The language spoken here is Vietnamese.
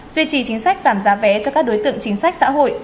duy trì chính sách giảm giá vé cho các đối tượng chính sách xã hội